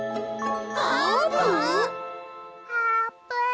あーぷん！？